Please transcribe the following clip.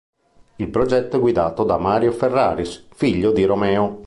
Il progetto è guidato da Mario Ferraris, figlio di Romeo.